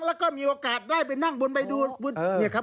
แล้วก็มีโอกาสได้ไปนั่งบนใบดูเนี่ยครับ